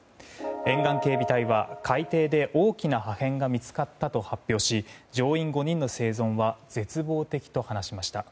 沿岸警備隊は海底で大きな破片が見つかったと発表し乗員５人の生存は絶望的と話しました。